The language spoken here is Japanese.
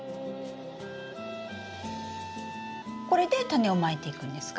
これでタネをまいていくんですか？